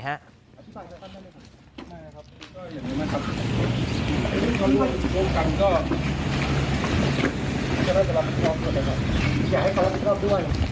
อยากให้เขารับผิดชอบด้วย